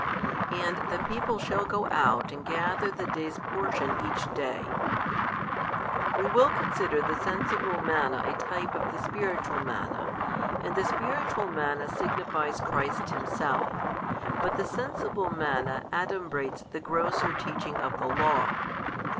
And the people shall go out and gather the day's portion each day. We will consider the sensible manna a type of the spiritual manna; and the spiritual manna signifies Christ Himself, but the sensible manna adumbrates the grosser teaching of the Law.